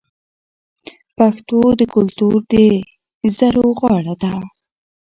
پښتو د کلتور د زرو غاړه ده.